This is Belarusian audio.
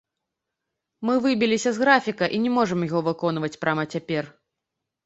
Мы выбіліся з графіка і не можам яго выконваць прама цяпер.